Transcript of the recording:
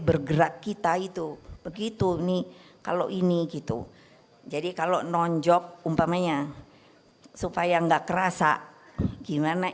bergerak kita itu begitu nih kalau ini gitu jadi kalau nonjok umpamanya supaya nggak kerasa gimana